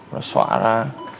nó xóa ra